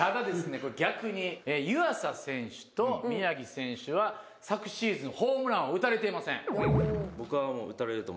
これ逆に湯浅選手と宮城選手は昨シーズンホームランを打たれていません。